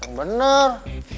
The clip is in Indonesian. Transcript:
wah yang bener